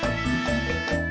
aku mau berbual